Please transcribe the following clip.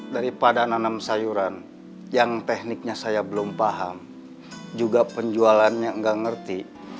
daripada nanam sayuran yang tekniknya saya belum paham juga penjualannya nggak ngerti